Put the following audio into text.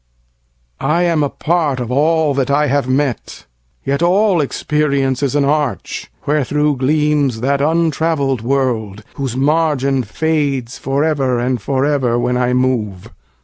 I am a part of all that I have met; Yet all experience is an arch wherethro'Gleams that untravell'd world, whose margin fadesFor ever and for ever when I move.